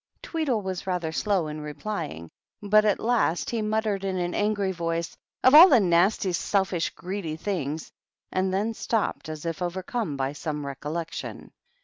Tweedle was rather slow in replying, but a last he muttered, in an angry voice, " Of all tin ndstj, selfish, greedy things " and then stoppec as if overcome by some recollection.